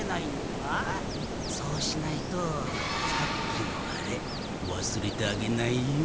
そうしないとさっきのアレわすれてあげないよ。